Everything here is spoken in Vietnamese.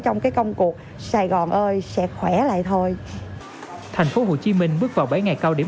trong cái công cuộc sài gòn ơi sẽ khỏe lại thôi thành phố hồ chí minh bước vào bảy ngày cao điểm